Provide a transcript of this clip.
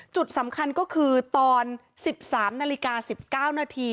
จุดสำคัญก็คือตอน๑๓นาฬิกา๑๙นาที